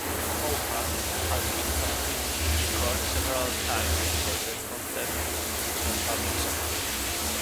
"Folha" has been convicted in court several times for the content it has published.